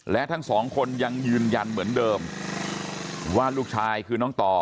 และทั้งสองคนยังยืนยันเหมือนเดิมว่าลูกชายคือน้องต่อ